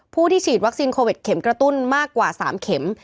ที่ฉีดวัคซีนโควิดเข็มกระตุ้นมากกว่า๓เข็ม